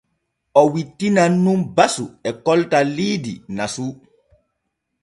O wittinan nun basu e koltal liidi nasu.